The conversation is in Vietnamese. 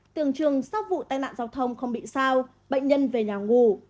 tường trường sau vụ tai nạn giao thông không bị sao bệnh nhân về nhà ngủ